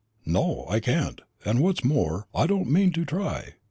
"No, I can't; and what's more, I don't mean to try.